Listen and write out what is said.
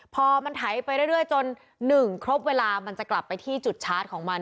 พอมันไถไปเรื่อยจน๑ครบเวลามันจะกลับไปที่จุดชาร์จของมัน